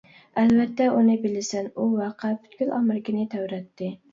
ئەلۋەتتە، ئۇنى بىلىسەن، ئۇ ۋەقە پۈتكۈل ئامېرىكىنى تەۋرەتتى.